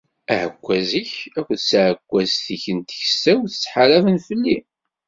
Aɛekkwaz-ik akked tɛekkwazt-ik n tkessawt ttḥaraben fell-i.